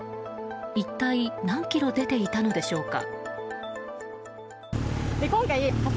一体、何キロ出ていたのでしょうか。